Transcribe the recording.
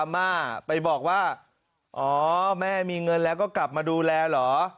อ๋อแม่มีเงินแล้วก็กลับมาดูแลเหรอ